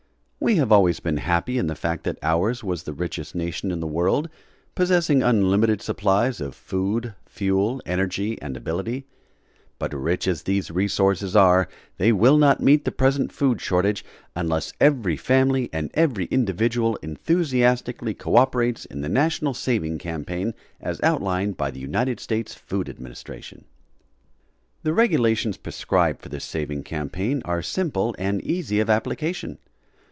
We have always been happy in the fact that ours was the richest nation in the world, possessing unlimited supplies of food, fuel, energy and ability; but rich as these resources are they will not meet the present food shortage unless every family and every individual enthusiastically co operates in the national saving campaign as outlined by the United States Food Administration. The regulations prescribed for this saving campaign are simple and easy of application.